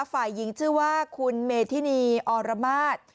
ฝ่ายหญิงชื่อว่าคุณเมธินีอรมาศ